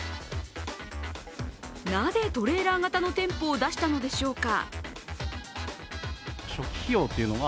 なぜ、トレーラー型の店舗を出したのでしょうか。